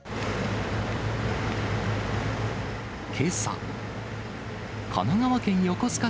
けさ。